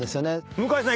向井さん